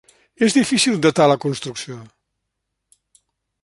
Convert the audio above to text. És difícil datar la construcció.